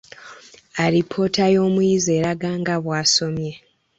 Alipoota y'omuyizi eraga nga bw'asomye.